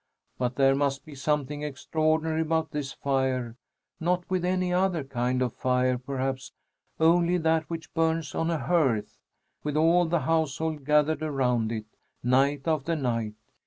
But there must be something extraordinary about this fire not with any other kind of fire, perhaps only that which burns on a hearth, with all the household gathered around it, night after night.